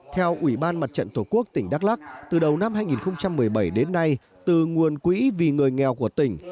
theo ủy ban mặt trận tổ quốc tỉnh đắk lắc từ đầu năm hai nghìn một mươi bảy đến nay từ nguồn quỹ vì người nghèo của tỉnh